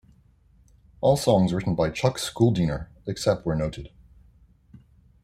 All songs written by Chuck Schuldiner except where noted.